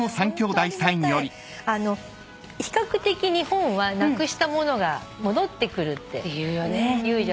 比較的日本はなくしたものが戻ってくるって言うじゃないですか。